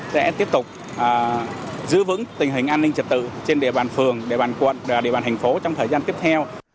sẽ tiếp tục giữ vững tình hình an ninh trật tự trên địa bàn phường địa bàn quận và địa bàn thành phố trong thời gian tiếp theo